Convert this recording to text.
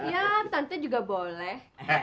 ya tante juga boleh